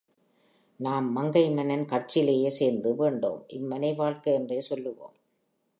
நாம் மங்கை மன்னன் கட்சியிலேயே சேர்ந்து, வேண்டோம் இம்மனை வாழ்க்கை என்றே சொல்லுவோம்.